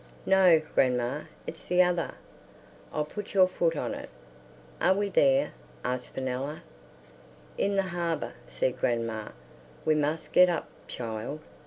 "No, grandma, it's the other. I'll put your foot on it. Are we there?" asked Fenella. "In the harbour," said grandma. "We must get up, child.